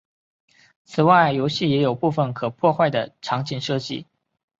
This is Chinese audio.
此外游戏也有部分可破坏的场景设计。